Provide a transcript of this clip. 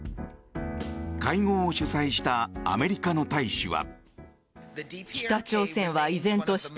会合を主催したアメリカの大使は。